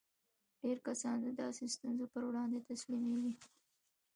ډېر کسان د داسې ستونزو پر وړاندې تسليمېږي.